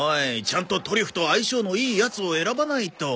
ちゃんとトリュフと相性のいいやつを選ばないと。